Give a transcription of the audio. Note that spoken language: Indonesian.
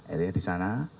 ini di sana